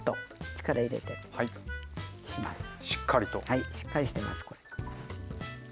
はいしっかりしてますこれ。